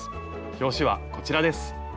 表紙はこちらです。